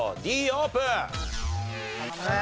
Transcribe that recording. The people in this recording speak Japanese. Ｄオープン！